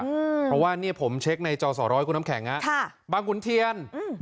เพราะว่าเนี้ยผมเช็คในจอสอร้อยคุณน้ำแข็งฮะค่ะบางขุนเทียนอืม